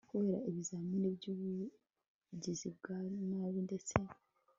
kubera ibizamini byubugizi bwa nabi ndetse